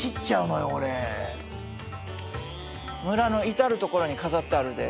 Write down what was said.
村の至る所に飾ってあるで。